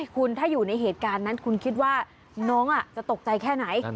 คุณถ้าอยู่ในเหตุการณ์นั้นคุณคิดว่าน้องจะตกใจแค่ไหน